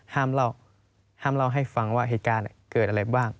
ห้ามเล่าให้ฟังว่าเหตุการณ์เกิดอะไรบ้าง